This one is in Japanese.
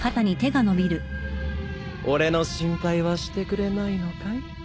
・俺の心配はしてくれないのかい？